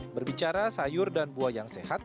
berbicara sayur dan buah yang sehat